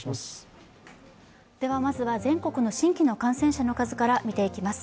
まずは全国の新規の感染者の数から見ていきます。